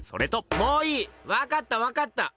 もういいわかったわかった！